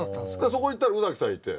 そこ行ったら宇崎さんいて。